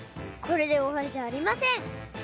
これでおわりじゃありません！